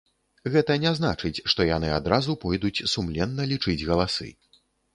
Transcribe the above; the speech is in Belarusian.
Гэта не значыць, што яны адразу пойдуць сумленна лічыць галасы.